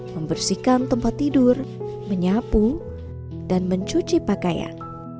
membersihkan tempat tidur menyapu dan mencuci pakaian